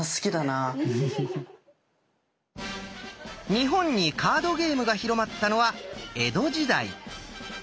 日本にカードゲームが広まったのは江戸時代。